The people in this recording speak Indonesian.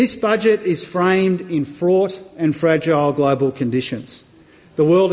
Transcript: ini adalah budjet yang berpengalaman dalam kondisi global yang berat dan berat